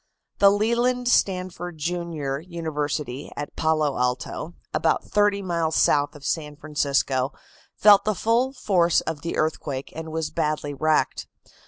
The Leland Stanford, Jr., University, at Palo Alto (about thirty miles south of San Francisco), felt the full force of the earthquake and was badly wrecked.